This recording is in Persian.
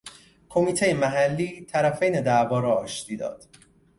کمیتهٔ محلی طرفین دعواء را آشتی داد.